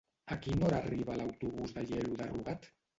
A quina hora arriba l'autobús d'Aielo de Rugat?